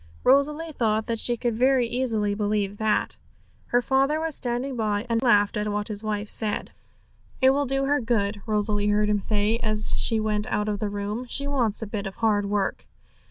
Rosalie thought she could very easily believe that. Her father was standing by, and only laughed at what his wife said. 'It will do her good,' Rosalie heard him say, as she went out of the room; 'she wants a bit of hard work.'